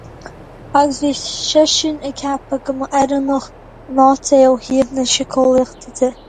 Agus bhí seisean ag ceapadh go mba oiriúnach an áit é ó thaobh na síceolaíochta de.